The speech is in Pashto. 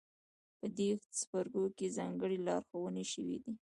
په دې څپرکو کې ځانګړې لارښوونې شوې دي.